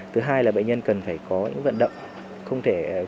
thứ hai là bệnh nhân cần phải có những vận động